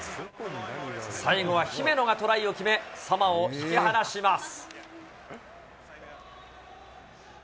最後は姫野がトライを決め、サモアを引き離します。